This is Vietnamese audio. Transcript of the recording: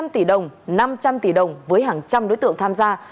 ba trăm linh tỷ đồng năm trăm linh tỷ đồng với hàng trăm đối tượng tham gia